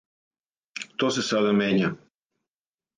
То се сада мења.